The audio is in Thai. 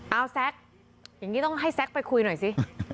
เอาแซ็กอย่างนี้ต้องให้แซ็กไปคุยหน่อยสิ